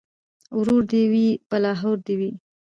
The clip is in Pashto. ـ ورور دې وي په لاهور دې وي.